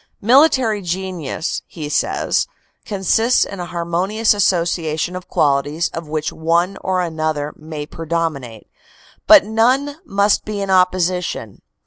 "Military genius," he says, "consists in a harmonious association of qualities of which one or another may predominate, but none must be in opposi tion.